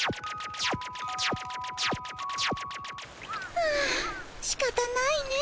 はあしかたないね。